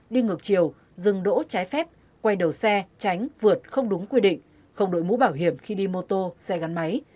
đi ngược chiều dừng đỗ trái phép quay đầu xe tránh vượt không đúng quy định không đội mũ bảo hiểm khi đi mô tô xe gắn máy